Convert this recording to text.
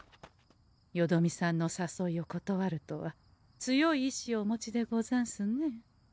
よどみさんのさそいを断るとは強い意志をお持ちでござんすね。